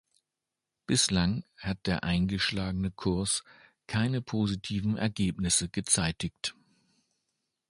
Bislang hat der eingeschlagene Kurs keine positiven Ergebnisse gezeitigt.